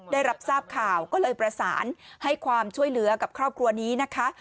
ได้รับทราบข่าวก็เลยประสานให้ความช่วยเหลือกับครอบครัวนี้นะคะ